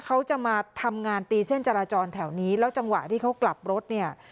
เขาจะมาทำงานตีเส้นจราจรแถวนี้แล้วจังหวะที่เขากลับรถเนี่ย